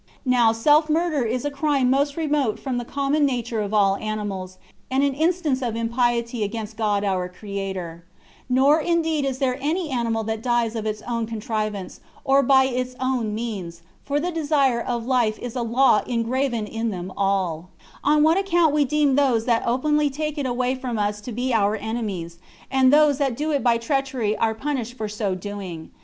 Now self murder is a crime most remote from the common nature of all animals, and an instance of impiety against God our Creator; nor indeed is there any animal that dies by its own contrivance, or by its own means, for the desire of life is a law engraven in them all; on which account we deem those that openly take it away from us to be our enemies, and those that do it by treachery are punished for so doing.